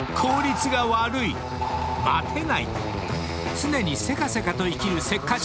［常にせかせかと生きるせっかち